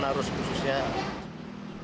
melawan arus khususnya